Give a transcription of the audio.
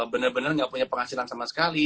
bener bener gak punya penghasilan sama sekali